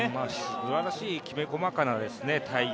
すばらしい、きめこまかな対応。